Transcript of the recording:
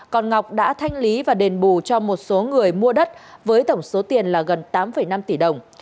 còn ngọc đã thanh lý và đền bù cho một số người mua đất với tổng số tiền là gần tám năm tỷ đồng